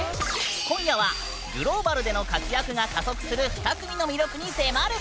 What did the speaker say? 今夜はグローバルでの活躍が加速する２組の魅力に迫る！